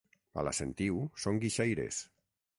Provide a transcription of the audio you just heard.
A la Sentiu són guixaires.